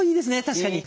確かに。